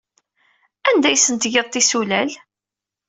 Anda ay asent-tgiḍ tisulal?